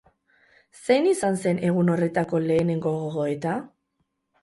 Zein izan zen egun horretako lehenengo gogoeta?